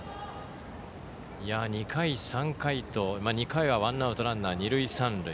２回、３回と、２回はワンアウト、ランナー、二塁三塁。